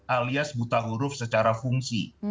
alias buta huruf secara fungsi